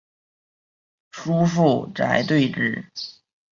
叔父瞿兑之。